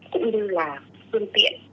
cũng như là phương tiện